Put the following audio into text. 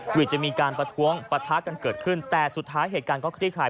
วิทย์จะมีการประท้วงปะทะกันเกิดขึ้นแต่สุดท้ายเหตุการณ์ก็คลี่คลาย